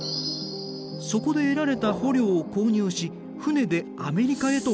そこで得られた捕虜を購入し船でアメリカへと運ぶ。